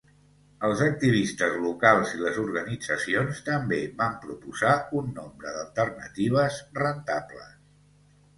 Els activistes locals i les organitzacions també van proposar un nombre d'alternatives rentables.